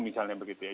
misalnya begitu ya